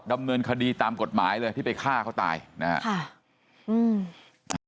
ดำเนินคดีตามกฎหมายเลยที่ไปฆ่าเขาตายนะฮะ